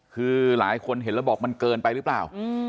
คือหลายคนเห็นแล้วบอกมันเกินไปหรือเปล่า